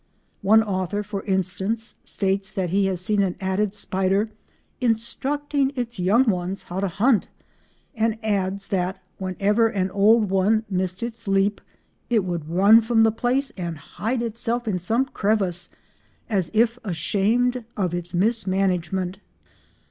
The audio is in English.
One author, for instance, states that he has seen an Attid spider "instructing its young ones how to hunt" and adds that "whenever an old one missed its leap, it would run from the place and hide itself in some crevice as if ashamed of its mismanagement."